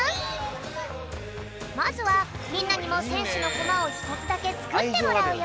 まずはみんなにもせんしゅのコマをひとつだけつくってもらうよ。